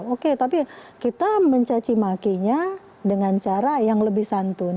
oke tapi kita mencacimakinya dengan cara yang lebih santun